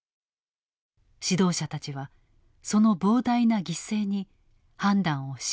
指導者たちはその膨大な犠牲に判断を縛られていた。